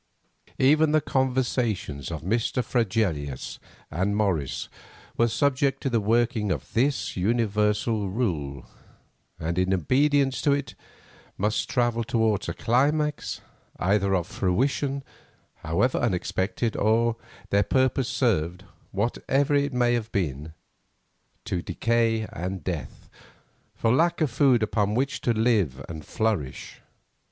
Even the conversations of Mr. Fregelius and Morris were subject to the working of this universal rule; and in obedience to it must travel towards a climax, either of fruition, however unexpected, or, their purpose served, whatever it may have been, to decay and death, for lack of food upon which to live and flourish.